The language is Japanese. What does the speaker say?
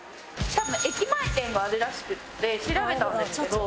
駅前店があるらしくて調べたんですけど。